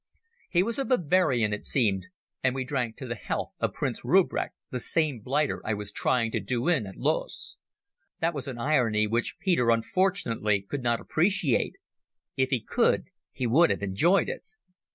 He was a Bavarian, it seemed, and we drank to the health of Prince Rupprecht, the same blighter I was trying to do in at Loos. That was an irony which Peter unfortunately could not appreciate. If he could he would have enjoyed it.